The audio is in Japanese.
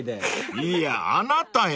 ［いやあなたよ］